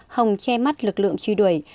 hồng che mắt lực lượng truy đuổi